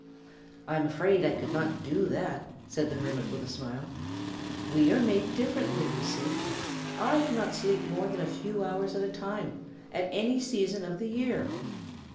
"I am afraid I could not do that," said the hermit with a smile. "We are made differently, you see. I cannot sleep more than a few hours at a time, at any season of the year."